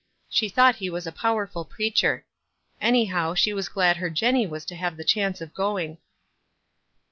She thought he was a powerful preacher. Anyhow, sh e was glad her Jenny was to nave the chance 01 going.